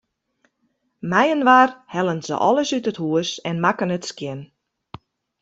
Mei-inoar hellen se alles út it hûs en makken it skjin.